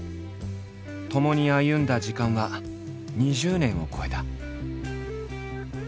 ともに歩んだ時間は２０年を超えた。